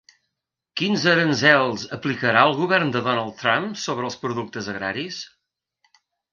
Quins aranzels aplicarà el govern de Donald Trump sobre els productes agraris?